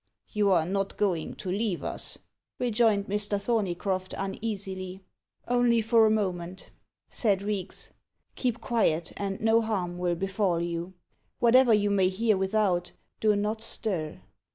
"You are not going to leave us?" rejoined Mr. Thorneycroft uneasily. "Only for a moment," said Reeks. "Keep quiet, and no harm will befall you. Whatever you may hear without, do not stir."